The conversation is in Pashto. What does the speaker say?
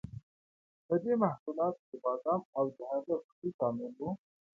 په دې محصولاتو کې بادام او د هغه غوړي شامل وو.